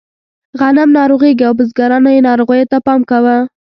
غنم ناروغېږي او بزګرانو یې ناروغیو ته پام کاوه.